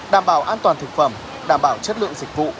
đảm bảo an toàn thực phẩm đảm bảo chất lượng dịch vụ